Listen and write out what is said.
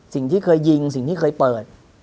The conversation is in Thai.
สิ่งที่เคยยิงสิ่งที่เคยเปิด